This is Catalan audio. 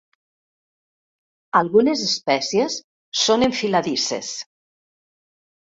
Algunes espècies són enfiladisses.